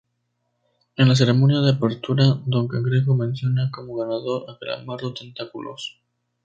En la ceremonia de apertura, don Cangrejo menciona como ganador a Calamardo Tentáculos.